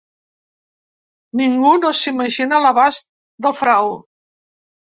Ningú no s’imagina l’abast del frau.